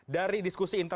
dari diskusi ini